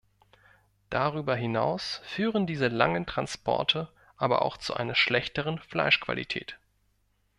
Darüber hinaus führen diese langen Transporte aber auch zu einer schlechteren Fleischqualität.